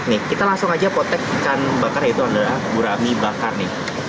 nih kita langsung aja potek ikan bakar yaitu adalah gurami bakar nih